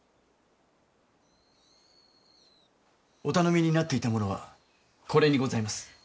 お頼みになっていたものはこれにございます。